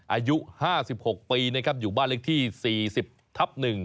อายุ๕๖ปีนะครับอยู่บ้านเล็กที่๔๐ทับ๑